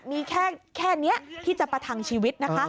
มีแค่นี้ที่จะประทังชีวิตนะคะ